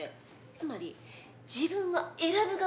「つまり“自分が選ぶ側”